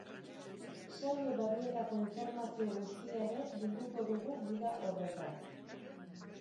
Saio berrietako informazio guztia ere bilduko dugu gida horretan.